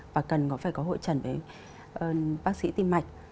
và cần phải có hội trần với bác sĩ tiêm mạch